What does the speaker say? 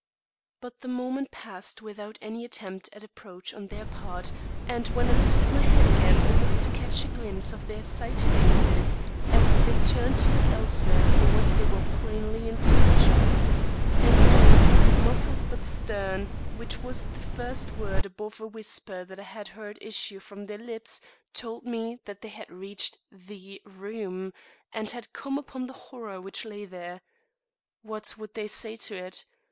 But the moment passed without any attempt at approach on their part, and when I lifted my head again it was to catch a glimpse of their side faces as they turned to look elsewhere for what they were plainly in search of. An oath, muffled but stern, which was the first word above a whisper that I had heard issue from their lips, told me that they had reached the room and had come upon the horror which lay there. What would they say to it!